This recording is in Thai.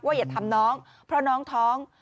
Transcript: อย่าทำน้องเพราะน้องท้อง